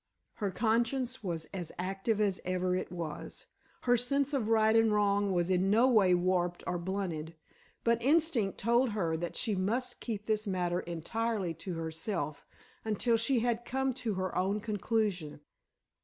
Her conscience was as active as ever it was, her sense of right and wrong was in no way warped or blunted, but instinct told her that she must keep this matter entirely to herself until she had come to her own conclusion.